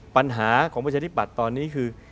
ปัญหาของประชาธิปัตย์ตอนนี้คือ